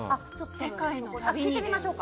聞いてみましょう。